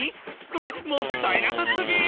それもったいなさすぎ！